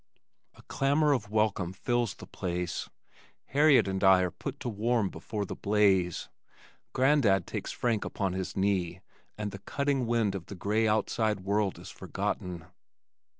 A clamor of welcome fills the place. Harriet and I are put to warm before the blaze. Grandad takes Frank upon his knee and the cutting wind of the gray outside world is forgotten.